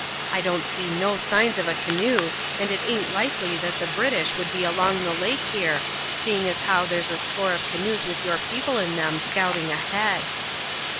I don't see no signs of a canoe, and it aint likely that the British would be along the lake here, seeing as how there's a score of canoes with your people in them scouting ahead."